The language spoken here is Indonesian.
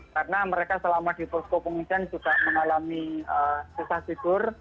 karena mereka selama di posko penghubungan juga mengalami susah tidur